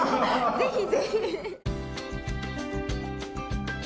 ぜひぜひ！